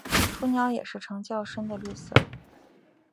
雏鸟也是呈较沉的绿色。